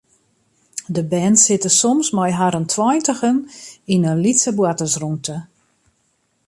De bern sitte soms mei harren tweintigen yn in lytse boartersrûmte.